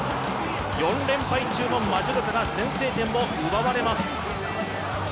４連敗中のマジョルカが先制点を奪われます。